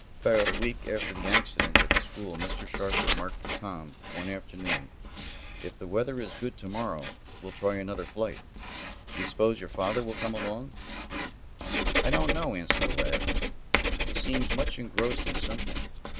About a week after the accident at the school Mr. Sharp remarked to Tom one afternoon: "If the weather is good to morrow, we'll try another flight. Do you suppose your father will come along?" "I don't know," answered the lad. "He seems much engrossed in something.